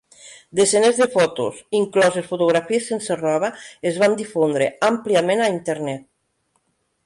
Desenes de fotos, incloses fotografies sense roba, es van difondre àmpliament a Internet.